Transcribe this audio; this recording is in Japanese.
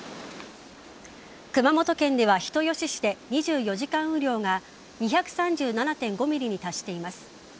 熊本県では人吉市で２４時間雨量が２３７．５ｍｍに達しています。